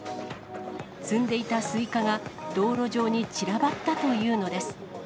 積んでいたスイカが道路上に散らばったというのです。